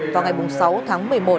vào ngày sáu tháng một mươi một